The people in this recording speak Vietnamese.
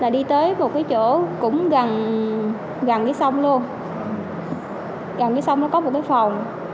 đi tới một chỗ gần sông gần sông có một phòng